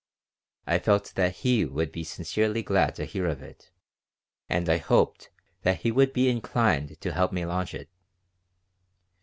I felt that he would be sincerely glad to hear of it and I hoped that he would be inclined to help me launch it.